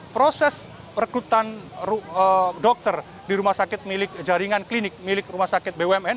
proses perekrutan dokter di rumah sakit milik jaringan klinik milik rumah sakit bumn